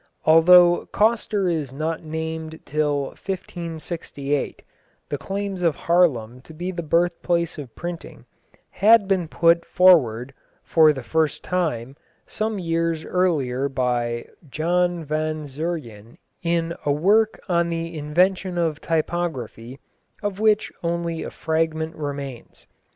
Although Coster is not named till 1568, the claims of Haarlem to be the birthplace of printing had been put forward (for the first time) some years earlier by Jan Van Zuyren in a work on the Invention of Typography, of which only a fragment remains.